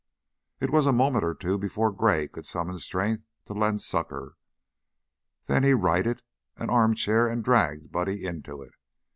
It was a moment or two before Gray could summon strength to lend succor, then he righted an armchair and dragged Buddy into it.